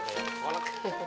tapi mau aja biar gak ada orang